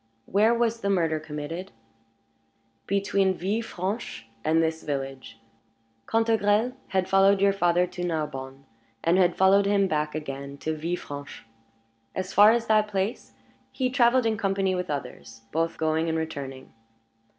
"Where was the murder committed?" "Between Villefranche and this village. Cantegrel had followed your father to Narbonne, and had followed him back again to Villefranche. As far as that place, he traveled in company with others, both going and returning.